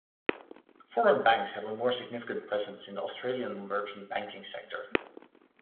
Foreign banks have a more significant presence in the Australian merchant banking sector.